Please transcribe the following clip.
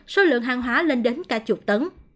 số lượng hàng hóa lên đến cả chục tấn